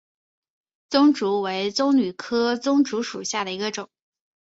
棕竹为棕榈科棕竹属下的一个种。